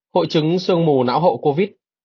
hội chứng sương mù não hậu covid